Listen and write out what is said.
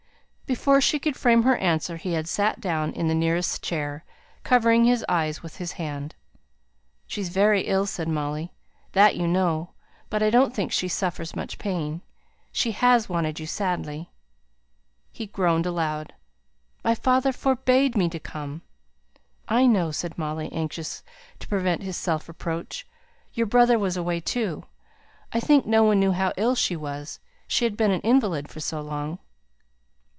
Before she could frame her answer, he had sate down in the nearest chair, covering his eyes with his hand. "She's very ill," said Molly. "That you know; but I don't think she suffers much pain. She has wanted you sadly." He groaned aloud. "My father forbade me to come." "I know!" said Molly, anxious to prevent his self reproach. "Your brother was away, too. I think no one knew how ill she was she had been an invalid for so long."